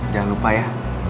jangan lupa ya